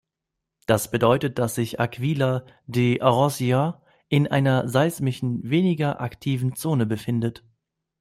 Das bedeutet, dass sich Aquila d’Arroscia in einer seismisch wenig aktiven Zone befindet.